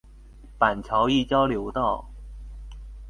板橋一交流道